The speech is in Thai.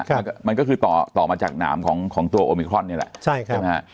แล้วก็มันก็คือต่อต่อมาจากหนามของของตัวโอมิครอนนี่แหละใช่ครับใช่ไหมฮะ